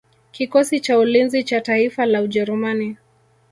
Kikosi cha ulinzi cha taifa la Ujerumani